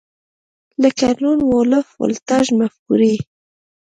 لکه لون وولف ولټاژ مفکورې